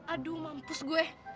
aduh mampus gue